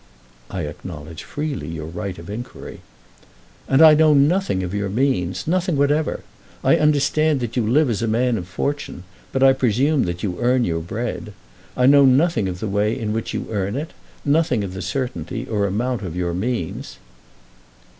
"I acknowledge freely your right of inquiry." "And I know nothing of your means; nothing whatever. I understand that you live as a man of fortune, but I presume that you earn your bread. I know nothing of the way in which you earn it, nothing of the certainty or amount of your means."